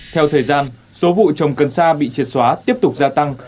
theo thời gian số vụ trồng cần sa bị triệt xóa tiếp tục gia tăng